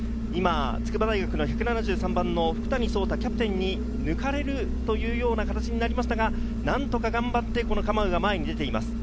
筑波大学の１７３番の福谷颯太、キャプテンに抜かれるというような形になりましたが、何とか頑張ってカマウが前に出ています。